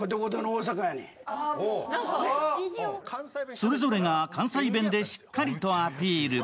それぞれが関西弁でしっかりとアピール。